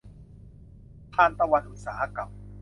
ทานตะวันอุตสาหกรรม